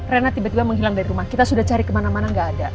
rena tiba tiba menghilang dari rumah kita sudah cari kemana mana gak ada